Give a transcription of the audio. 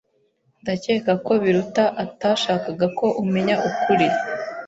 Ndakeka ko Biruta atashakaga ko umenya ukuri.